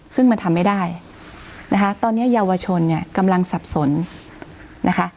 ซึ่งมันทำไม่ได้นะคะตอนนี้เยาวชนเนี่ยกำลังสับสนนะคะ